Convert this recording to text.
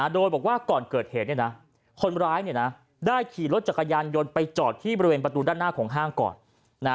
โดยบอกว่าก่อนเกิดเหตุคนร้ายได้ขี่รถจักรยานยนต์ไปจอดที่บริเวณประตูด้านหน้าของห้างก่อน